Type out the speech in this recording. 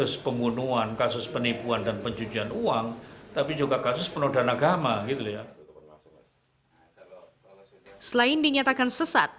selain dinyatakan sesat